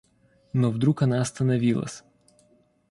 Но вдруг она остановилась.